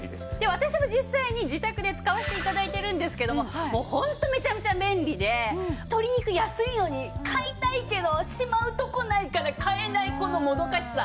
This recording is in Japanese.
私も実際に自宅で使わせて頂いてるんですけどももうホントめちゃめちゃ便利で鶏肉安いのに買いたいけどしまうとこないから買えないこのもどかしさ。